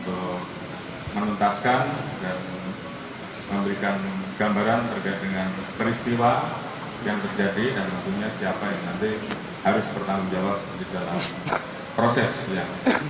jadinya kalau memang itu polisi yang proses berdana siapa yang bertanggung jawab bisa